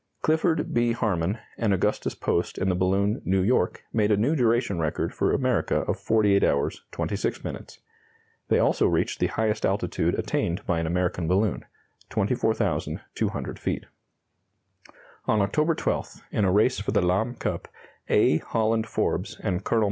Clifford B. Harmon and Augustus Post in the balloon "New York" made a new duration record for America of 48 hours 26 minutes. They also reached the highest altitude attained by an American balloon 24,200 feet. On October 12th, in a race for the Lahm cup, A. Holland Forbes and Col.